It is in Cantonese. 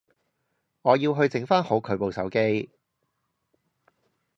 我要去整返好佢部手機